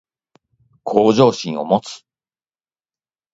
向上心を持つ